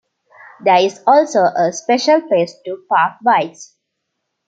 There is also a special place to park bikes.